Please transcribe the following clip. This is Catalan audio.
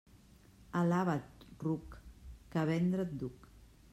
Alaba't, ruc, que a vendre et duc.